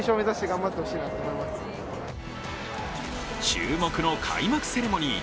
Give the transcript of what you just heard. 注目の開幕セレモニー。